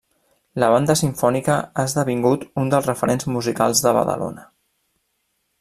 La Banda Simfònica ha esdevingut un dels referents musicals de Badalona.